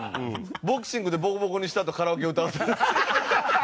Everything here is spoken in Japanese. ボクシングでボコボコにしたあとカラオケ歌わせる。